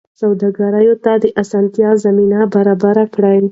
سوداګرو ته د اسانتیاوو زمینه برابره کړئ.